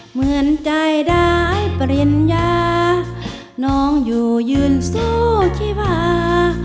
เหมือนใจได้ปริญญาน้องอยู่ยืนสู้ชีวา